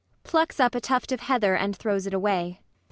[Plucks up a tuft of heather and throws it away.